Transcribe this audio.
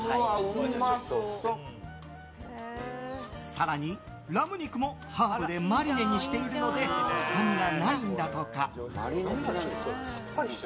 更に、ラム肉もハーブでマリネにしているので臭みがないんだとか。